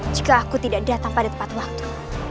jika aku tidak datang pada tepat waktu